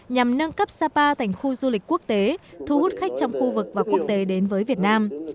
nhằm nâng cấp sapa thành khu du lịch quốc tế thu hút khách trong khu vực và quốc tế đến với việt nam